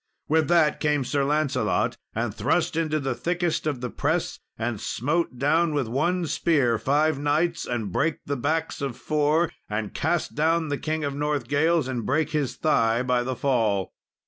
With that, came Sir Lancelot, and thrust into the thickest of the press, and smote down with one spear five knights, and brake the backs of four, and cast down the King of Northgales, and brake his thigh by the fall.